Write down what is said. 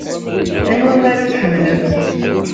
Anwa amaru i tḥemmlemt?